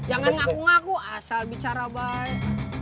jangan ngaku ngaku asal bicara baik